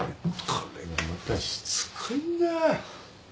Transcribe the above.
これがまたしつこいんだ。